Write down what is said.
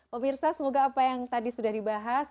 pemirsa semoga apa yang tadi sudah dibahas